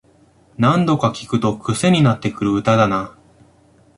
何度か聴くとクセになってくる歌だな